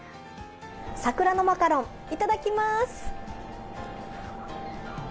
桜のマカロン、いただきまーす。